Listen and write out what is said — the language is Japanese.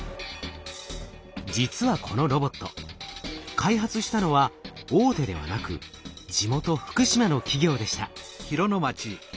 実はこのロボット開発したのは大手ではなく地元福島の企業でした。